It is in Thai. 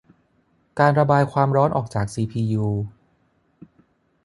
การระบายความร้อนออกจากซีพียู